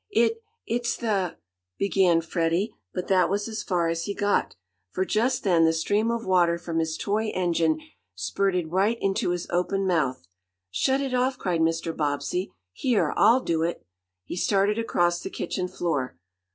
"It it's the " began Freddie, but that was as far as he got, for just then the stream of water from his toy engine spurted right into his open mouth. "Shut it off!" cried Mr. Bobbsey. "Here, I'll do it!" He started across the kitchen floor.